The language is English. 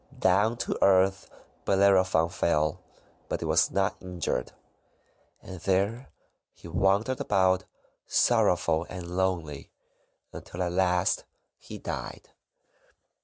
Down to earth Bellerophon fell, but he was not injured. And there he wandered about, sorrowful and lonely, until at last he died.